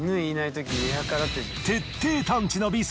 徹底探知のビス。